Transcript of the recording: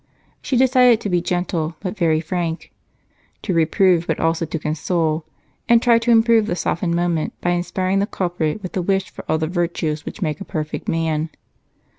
She decided to be gentle, but very frank; to reprove, but also to console; and to try to improve the softened moment by inspiring the culprit with a wish for all the virtues which make a perfect man.